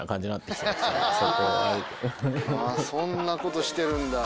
そんなことしてるんだ。